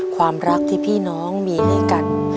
ความรักที่พี่น้องมีด้วยกัน